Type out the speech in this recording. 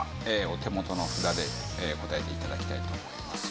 お手元の札で答えて頂きたいと思います。